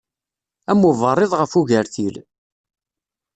Am uberriḍ ɣef ugertil.